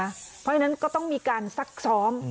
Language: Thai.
เพราะฉะนั้นก็ต้องมีการซักซ้อม